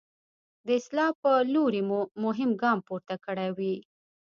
د اصلاح په لوري مو مهم ګام پورته کړی وي.